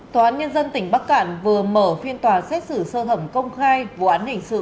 tòa án nhân dân tỉnh bắc cạn vừa mở phiên tòa xét xử sơ thẩm công khai vụ án hình sự